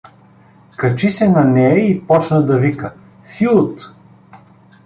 Качи се на нея и почна да вика: — Фют!